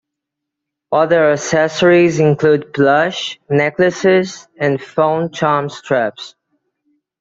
Other accessories include plush, necklaces and phone charm straps.